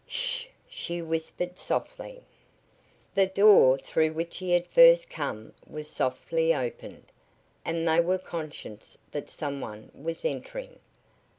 "Sh!" she whispered, softly. The door through which he had first come was softly opened, and they were conscious that some one was entering.